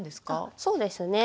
そうですね。